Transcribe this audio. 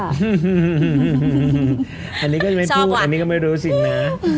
อันนี้ก็จะไม่พูดอันนี้ก็ไม่รู้จริงนะ